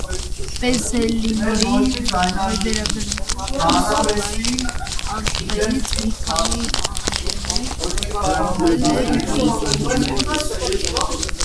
Պեզելլինոյին վերագրվող կասոնային արկղերից մի քանի պանելներ պահպանվել են մինչ օրս։